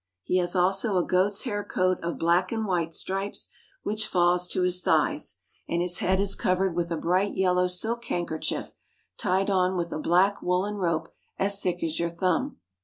He has also a goat's hair coat of black and white stripes which falls to his thighs, and his head is covered with a bright yellow silk handkerchief, tied on with a black woolen rope as thick as your thumb.